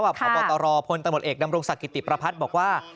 พบตรพลตำรวจเอกดำรงศักดิติประพัฒน์บอกว่า